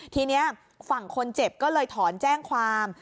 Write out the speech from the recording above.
ทีนี้ฝั่งคนเจ็บก็เลยถอนแจ้งความ